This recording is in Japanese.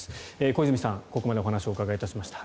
小泉さん、ここまでお話をお伺いしました。